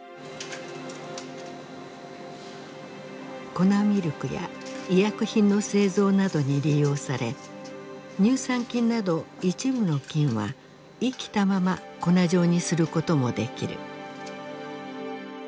粉ミルクや医薬品の製造などに利用され乳酸菌など一部の菌は生きたまま粉状にすることもできる。